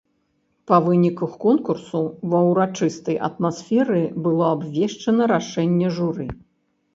Па выніках конкурсу ва ўрачыстай атмасферы было абвешчана рашэнне журы.